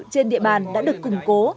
trên địa bàn đã được củng cố